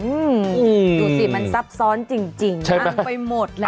ดูสิมันซับซ้อนจริงพังไปหมดเลย